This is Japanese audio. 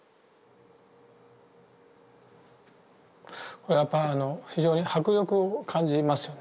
これやっぱあの非常に迫力を感じますよね。